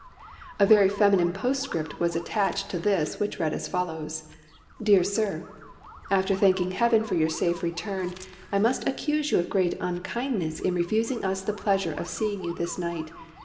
A very feminine postscript was attached to this which read as follows: "DEAR SIR "After thanking Heaven for your safe return, I must accuse you of great unkindness in refusing us the pleasure of seeing you this night.